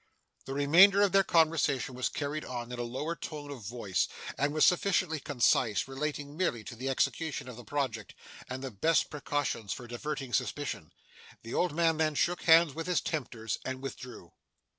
The remainder of their conversation was carried on in a lower tone of voice, and was sufficiently concise; relating merely to the execution of the project, and the best precautions for diverting suspicion. The old man then shook hands with his tempters, and withdrew.